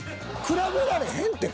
比べられへんって。